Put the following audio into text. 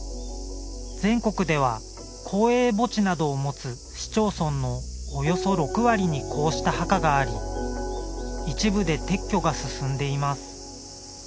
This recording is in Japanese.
全国では公営墓地などを持つ市町村のおよそ６割にこうした墓があり一部で撤去が進んでいます。